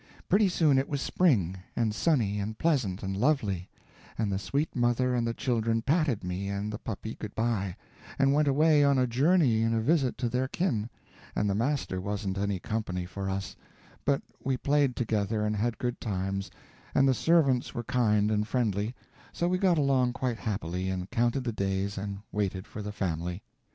Pretty soon it was spring, and sunny and pleasant and lovely, and the sweet mother and the children patted me and the puppy good by, and went away on a journey and a visit to their kin, and the master wasn't any company for us, but we played together and had good times, and the servants were kind and friendly, so we got along quite happily and counted the days and waited for the family.